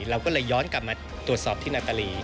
เราก็เลยย้อนกลับมาตรวจสอบที่นาตาลี